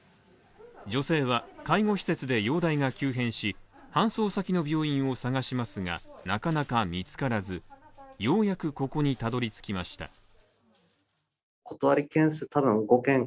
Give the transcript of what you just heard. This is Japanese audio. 女性は介護施設で容体が急変し搬送先の病院を探しますが、なかなか見つからずようやくここにたどり着きました。